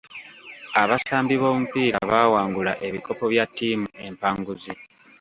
Abasambi b'omupiira baawangula ebikopo bya ttiimu empanguzi.